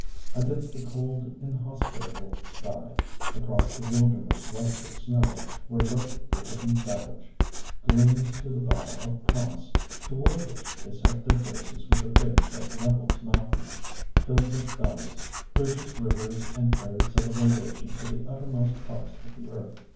Against the cold, inhospitable sky, across the wilderness white with snow, where lurked the hidden savage, gleamed the bow of promise, toward which they set their faces with the faith that levels mountains, fills up valleys, bridges rivers and carries civilization to the uttermost parts of the earth.